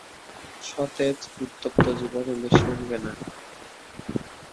সতেজ উত্তপ্ত জীবন ওদের সহিবে না।